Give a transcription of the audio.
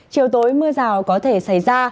chiều tối mưa rào có thể xảy ra